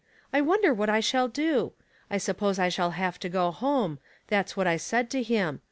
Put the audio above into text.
I wonder what I shall do ? I suppose I shall have to go home; that's what I said to him.